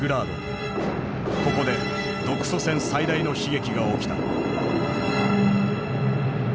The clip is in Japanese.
ここで独ソ戦最大の悲劇が起きた。